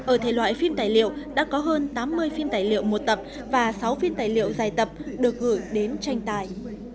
ở thể loại phim tài liệu đã có hơn tám mươi phim tài liệu một tập và sáu phim tài liệu dài tập được gửi đến tranh tài